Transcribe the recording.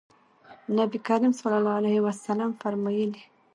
نبي کریم صلی الله علیه وسلم فرمایلي: